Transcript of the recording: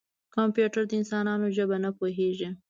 کمپیوټر د انسانانو ژبه نه پوهېږي.